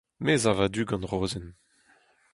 Me 'sav a-du gant Rozenn.